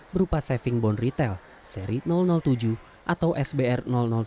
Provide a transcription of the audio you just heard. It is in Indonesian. berupa saving bond retail seri tujuh atau sbr tujuh